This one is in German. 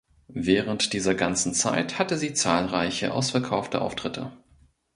Während dieser ganzen Zeit hatte sie zahlreiche ausverkaufte Auftritte.